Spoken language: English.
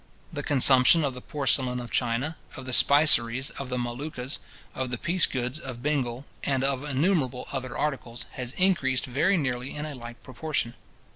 The consumption of the porcelain of China, of the spiceries of the Moluccas, of the piece goods of Bengal, and of innumerable other articles, has increased very nearly in a like proportion.